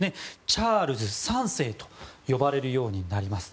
チャールズ３世と呼ばれるようになります。